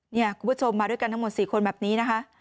คุณผู้ชมมาด้วยกันทั้งหมด๔คนแบบนี้นะคะ